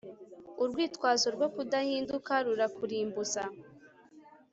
Urwitwazo rwo kudahinduka rurakurimbuza